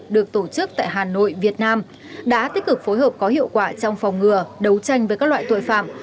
được tổ chức tại hà nội việt nam đã tích cực phối hợp có hiệu quả trong phòng ngừa đấu tranh với các loại tội phạm